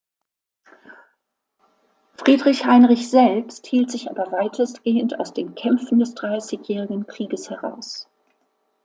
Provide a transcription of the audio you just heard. Friedrich Heinrich selbst hielt sich aber weitestgehend aus den Kämpfen des Dreißigjährigen Krieges heraus.